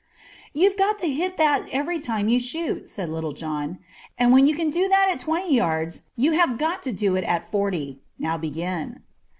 "You've got to hit that every time you shoot," said Little John; "and when you can do that at twenty yards you have got to do it at forty. Now begin."